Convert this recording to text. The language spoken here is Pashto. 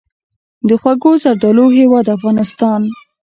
د خوږو زردالو هیواد افغانستان.